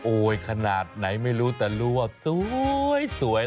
ขนาดไหนไม่รู้แต่รู้ว่าสวย